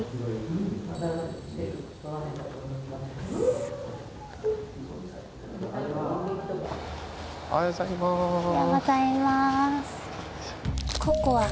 おはようございます。